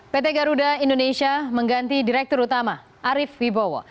pt garuda indonesia mengganti direktur utama arief wibowo